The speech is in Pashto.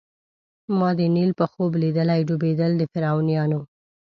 ما د نیل په خوب لیدلي ډوبېدل د فرعونانو